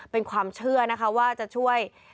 เป็นความเชื่อนะคะว่าจะช่วย